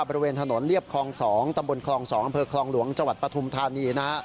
บริเวณถนนเลียบคลอง๒ตำบลคลอง๒อคลองหลวงจปฐุมธานี